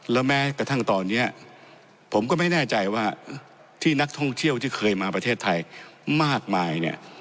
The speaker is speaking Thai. แล้วแม้กระทั่งตอนนี้ผมก็ไม่แน่ใจว่าที่นักท่องเที่ยวที่เคยมาประเทศไทยมากมายเนี่ย